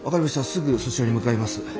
すぐそちらに向かいます。